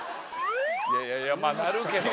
いやいやいやまぁなるけど。